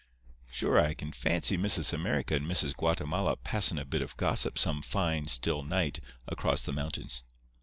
Sure I can fancy Missis America and Missis Guatemala passin' a bit of gossip some fine, still night across the mountains.